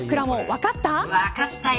分かったよ。